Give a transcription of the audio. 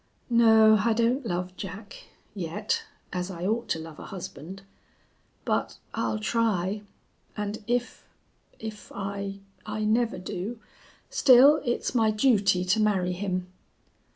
"No, I don't love Jack yet as I ought to love a husband. But I'll try, and if if I I never do still, it's my duty to marry him."